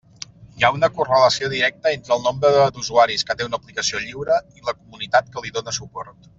Hi ha una correlació directa entre el nombre d'usuaris que té una aplicació lliure i la comunitat que li dóna suport.